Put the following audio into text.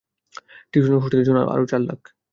Tuition ও হোস্টেলের জন্য আরও চার লাখ।